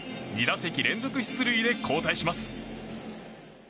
２打席連続出塁で交代します。